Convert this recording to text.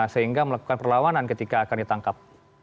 sehingga melakukan perlawanan ketika akan ditangkap